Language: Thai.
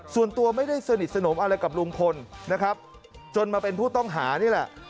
ส่วนตัวไม่ได้สนิทสนมอะไรกับลุงพลนะครับจนมาเป็นผู้ต้องหานี่แหละ